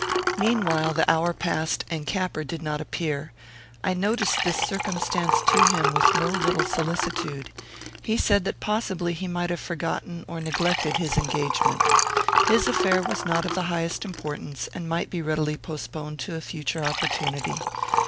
Meanwhile the hour passed and Capper did not appear. I noticed this circumstance to him with no little solicitude. He said that possibly he might have forgotten or neglected his engagement. His affair was not of the highest importance, and might be readily postponed to a future opportunity.